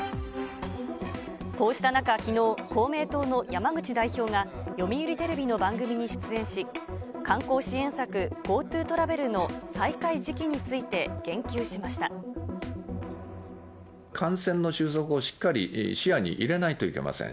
こうした中きのう、公明党の山口代表が、読売テレビの番組に出演し、観光支援策、ＧｏＴｏトラベル感染の収束をしっかり視野に入れないといけません。